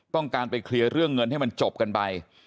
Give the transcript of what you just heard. ต้องการไปเคลียร์เรื่องเงินให้มันจบกันไป